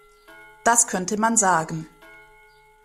Das könnte man sagen.